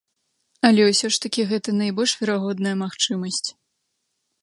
Але ўсё ж такі гэта найбольш верагодная магчымасць.